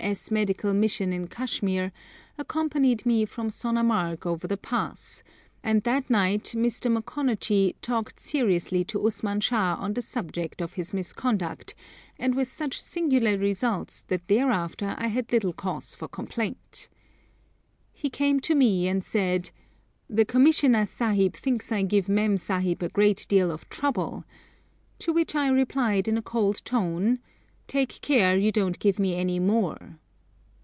S. Medical Mission in Kashmir, accompanied me from Sonamarg over the pass, and that night Mr. M. talked seriously to Usman Shah on the subject of his misconduct, and with such singular results that thereafter I had little cause for complaint. He came to me and said, 'The Commissioner Sahib thinks I give Mem Sahib a great deal of trouble;' to which I replied in a cold tone, 'Take care you don't give me any more.'